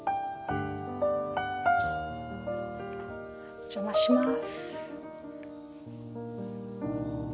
お邪魔します。